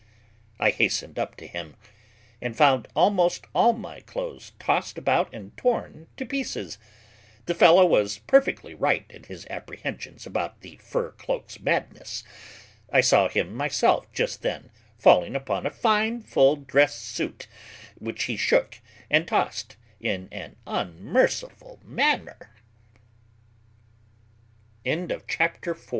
I hastened up to him, and found almost all my clothes tossed about and torn to pieces. The fellow was perfectly right in his apprehensions about the fur cloak's madness. I saw him myself just then falling upon a fine full dress suit, which he shook and tossed in an unmerciful manner. CHAPTER V _The effects of great activity and presenc